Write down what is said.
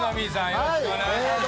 よろしくお願いします。